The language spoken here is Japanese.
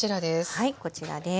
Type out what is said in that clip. はいこちらです。